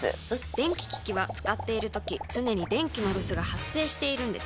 電気機器は使っているとき常に電気のロスが発生しているのです。